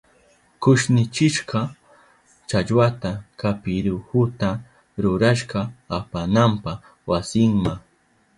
Kushnichishka challwata kapirihuta rurashka apananpa wasinma.